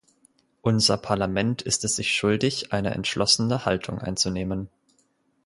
Unser Parlament ist es sich schuldig, eine entschlossene Haltung einzunehmen.